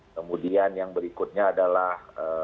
kemudian yang berikutnya adalah